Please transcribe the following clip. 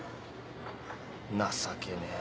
情けねえ。